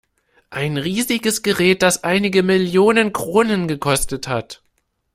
Ein riesiges Gerät, das einige Millionen Kronen gekostet hat.